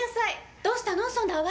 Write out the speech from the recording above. どうしたの？